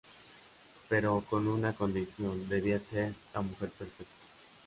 Pero con una condición: debía ser la mujer perfecta.